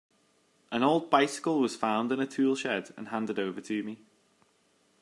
An old bicycle was found in a tool-shed and handed over to me.